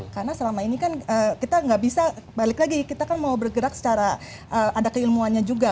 karena selama ini kan kita nggak bisa balik lagi kita kan mau bergerak secara ada keilmuannya juga